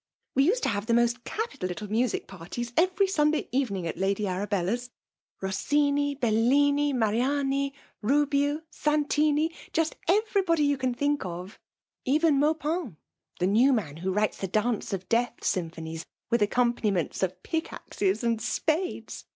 We used to bav^ the most capital little music parties every Sunday evening at Lady Arabella's; — ^Ros sini, Bellini, Mariani^ Bubinii Santinii — just eTer}'body you can think of; even Maupam> thp new man who writes the ' Dance of Death' symphonies, with accompaniments of pick axes and spfl^ea.